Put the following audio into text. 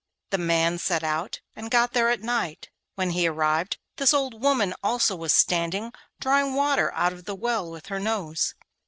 The man set out and got there at night. When he arrived, this old woman also was standing drawing water out of the well with her nose.